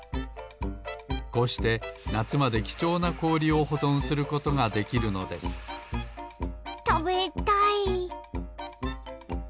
こうしてなつまできちょうなこおりをほぞんすることができるのですたべたい！